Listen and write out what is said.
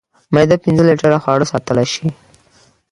معده پنځه لیټره خواړه ساتلی شي.